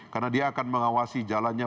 karena dia akan mengawasi jalannya